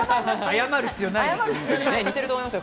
謝る必要ないです。